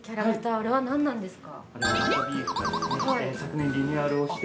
あれは何なんですか。